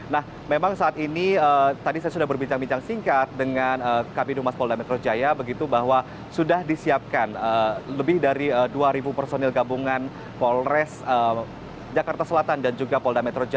nah memang saat ini tadi saya sudah berbincang bincang singkat dengan kb dumas polda metro jaya begitu bahwa sudah disiapkan lebih dari dua personil gabungan polres jakarta selatan dan juga polda metro jaya